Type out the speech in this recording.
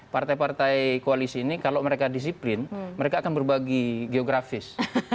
partai partai koalisi ini kalau mereka disiplin mereka akan berbagi geografis